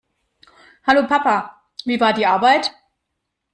Hallo, Papa. Wie war die Arbeit?